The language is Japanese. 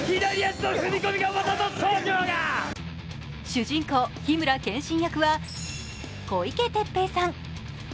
主人公・緋村剣心役は小池徹平さん。